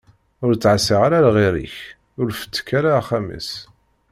Ur ttɛeṣṣir ara lɣir-ik, ur fettek ara axxam-is.